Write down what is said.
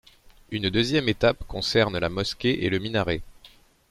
Une deuxième étape concerne la mosquée et le minaret.